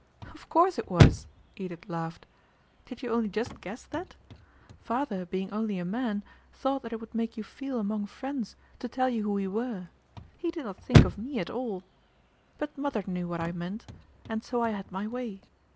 "Of course it was," Edith laughed. "Did you only just guess that? Father being only a man, thought that it would make you feel among friends to tell you who we were. He did not think of me at all. But mother knew what I meant, and so I had my way.